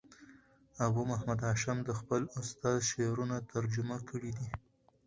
ابو محمد هاشم دخپل استاد شعرونه ترجمه کړي دي.